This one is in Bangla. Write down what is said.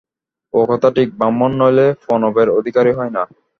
ও-কথা ঠিক, ব্রাহ্মণ নইলে প্রণবের অধিকারী হয় না।